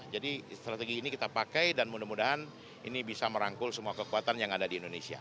jadi strategi ini kita pakai dan mudah mudahan ini bisa merangkul semua kekuatan yang ada di indonesia